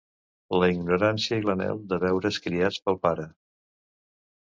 La ignorància i l'anhel de veure's criats pel Pare.